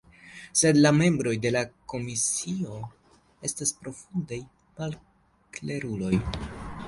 Sed la membroj de la komisio estas profundaj malkleruloj.